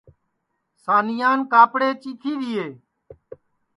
سانیان کاپڑے چیتھی دؔیئے